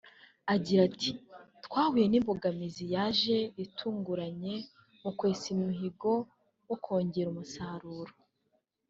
Agira ati “Twahuye n’imbogamizi yaje itunguranye mu kwesa umuhigo wo kongera umusaruro